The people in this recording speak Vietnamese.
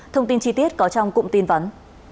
thông tin chi tiết có trong cụm tin vấn